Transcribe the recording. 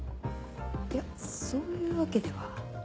いやそういうわけでは。